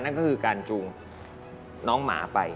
นั่นก็คือการจูงน้องหมาไป